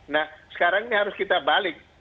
nah sekarang ini harus kita balik